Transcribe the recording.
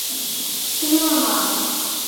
তুমি ওর মা।